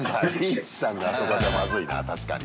リーチさんがあそこじゃまずいな確かに。